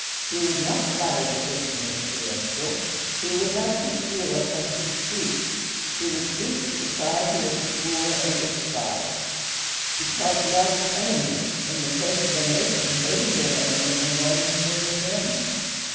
He would not flatter the rich and influential. He would not conceal offensive truth. He would seek the society of the poor and despised. He taught love of enemies in the face of a nation hating their enemies and longing for revenge.